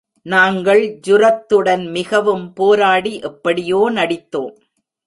நாங்கள் ஜுரத்துடன் மிகவும் போராடி எப்படியோ நடித்தோம்.